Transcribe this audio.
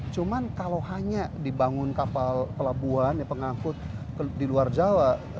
cuma kalau hanya dibangun kapal pelabuhan pengangkut di luar jawa